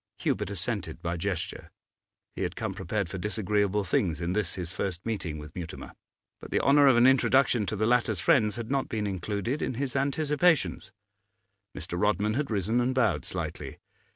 Hubert assented by gesture. He had come prepared for disagreeable things in this his first meeting with Mutimer, but the honour of an introduction to the latter's friends had not been included in his anticipations. Mr. Rodman had risen and bowed slightly.